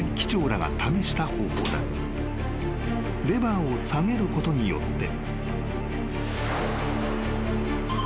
［レバーを下げることによって］